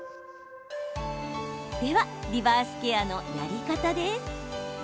では、リバースケアのやり方です。